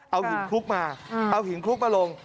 เอาหินคลุกมาเอาหินคลุกมาลง